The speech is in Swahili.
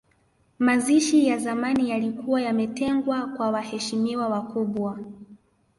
Mazishi ya zamani yalikuwa yametengwa kwa waheshimiwa wakubwa